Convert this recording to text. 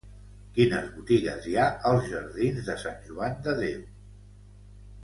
Quines botigues hi ha als jardins de Sant Joan de Déu?